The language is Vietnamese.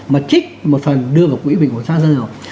mà trích một phần đưa vào quỹ bình ổn sang dầu